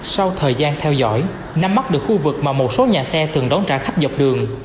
sau thời gian theo dõi nắm mắt được khu vực mà một số nhà xe từng đón trả khách dọc đường